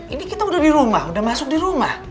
ini kita udah di rumah udah masuk di rumah